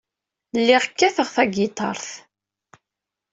Lliɣ kkateɣ tagiṭart.